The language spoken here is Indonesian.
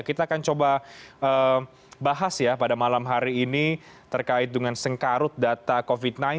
kita akan coba bahas ya pada malam hari ini terkait dengan sengkarut data covid sembilan belas